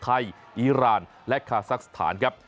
อีรานและคาซักสถานครับ